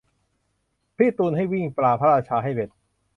พี่ตูนวิ่งให้ปลา พระราชาให้เบ็ด